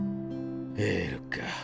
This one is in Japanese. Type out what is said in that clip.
エールか。